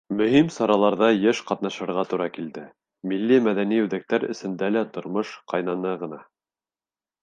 Мөһим сараларҙа йыш ҡатнашырға тура килде, милли-мәҙәни үҙәктәр эсендә лә тормош ҡайнаны ғына.